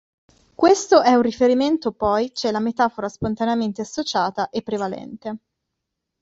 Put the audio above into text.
Questo è un riferimento poi c'è la metafora spontaneamente associata e prevalente.